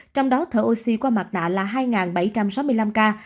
trong đó thở oxy qua mặt nạ là hai bảy trăm sáu mươi năm ca